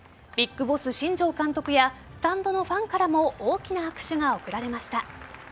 ＢＩＧＢＯＳＳ・新庄監督やスタンドのファンからも大きな拍手が送られました。